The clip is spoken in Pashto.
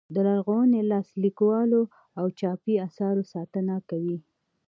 د لرغونو لاس لیکلو او چاپي اثارو ساتنه کوي.